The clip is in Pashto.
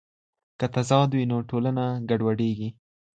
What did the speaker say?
که تضاد وي نو ټولنه ګډوډېږي.